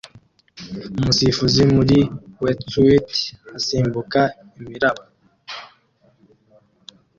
Umusifuzi muri wetsuite asimbuka imiraba